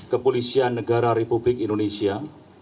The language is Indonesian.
kepolisian negara republik indonesia